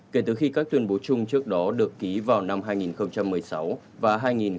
kể từ khi các tuyên bố chung trước đó được ký vào năm hai nghìn một mươi sáu và hai nghìn một mươi bảy